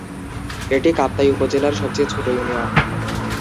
এটি কাপ্তাই উপজেলার সবচেয়ে ছোট ইউনিয়ন।